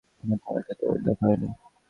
কিন্তু আমার সাথে ওর দেখা হয়নি।